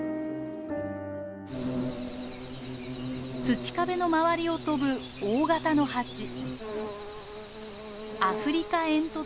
土壁の周りを飛ぶ大型のハチ。